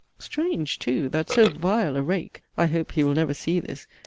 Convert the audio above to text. Strange too, that so 'vile a rake' (I hope he will never see this!)